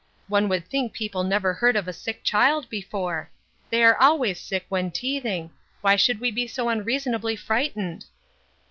One would think people never heard of a sick child before. They are always sick when teething. Why should we be so unreasonably frightened?"